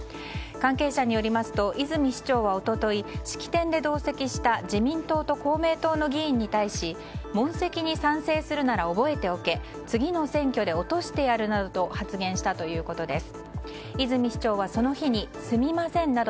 関係者によりますと泉市長は一昨日、式典で同席した自民党と公明党の議員に対し問責に賛成するなら覚えておけ次の選挙で落としてやるなどと発言したということです。